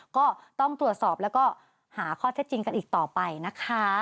ก็ต้องตรวจสอบแล้วก็หาข้อเท็จจริงกันอีกต่อไปนะคะ